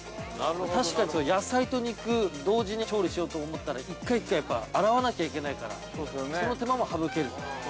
◆確かに野菜と肉、同時に調理しようと思ったら、１回１回、やっぱ洗わなきゃいけないから、その手間も省ける。